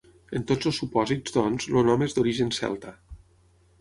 En tots els supòsits, doncs, el nom és d'origen celta.